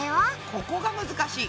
ここが難しい。